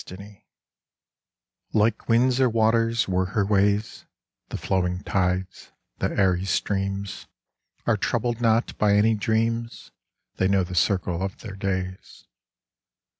3 LIKE winds or waters were her ways The flowing tides, the airy streams, Are troubled not by any dreams ; They know the circle of their days.